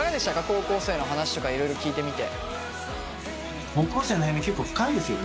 高校生の話とかいろいろ聞いてみて。